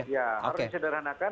harus ya harus disederhanakan